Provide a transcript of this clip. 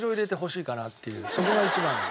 そこが一番の。